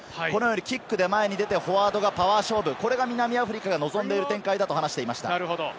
キックで前に出てフォワードがパワー勝負、これが、南アフリカが望んでいる展開だと話していました。